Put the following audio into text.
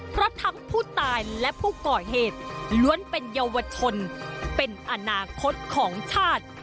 เพราะทั้งผู้ตายและผู้ก่อเหตุล้วนเป็นเยาวชนเป็นอนาคตของชาติ